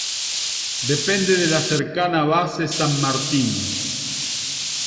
Depende de la cercana base San Martín.